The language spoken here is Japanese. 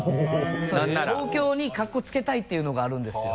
東京に格好つけたいっていうのがあるんですよ。